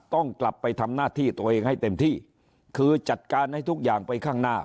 ต้องกลับไปทำหน้าที่ตัวเองให้เต็มที่คือจัดการให้ทุกอย่างไปข้างหน้า